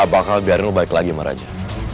aku gak bakal biarin lo balik lagi sama raja